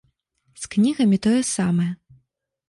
З кнігамі тое самае.